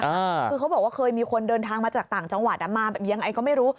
คือเขาบอกว่าเคยมีคนเดินทางมาจากต่างจังหวัดอ่ะมายังไงก็ไม่รู้